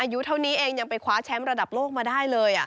อายุเท่านี้เองยังไปคว้าแชมป์ระดับโลกมาได้เลย